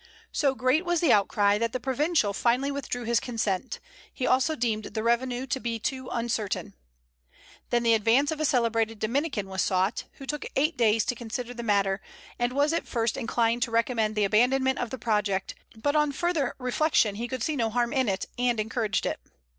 So great was the outcry, that the provincial finally withdrew his consent; he also deemed the revenue to be too uncertain. Then the advice of a celebrated Dominican was sought, who took eight days to consider the matter, and was at first inclined to recommend the abandonment of the project, but on further reflection he could see no harm in it, and encouraged it.